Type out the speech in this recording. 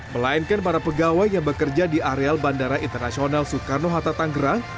melainkan para pegawai yang bekerja di areal bandara internasional soekarno hatta tanggerang